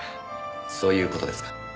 そういう事ですか？